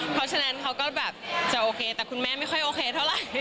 เพราะฉะนั้นเขาก็แบบจะโอเคแต่คุณแม่ไม่ค่อยโอเคเท่าไหร่